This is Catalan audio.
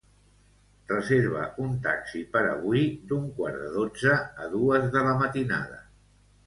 Reserva un taxi per avui d'un quart de dotze a dues de la matinada.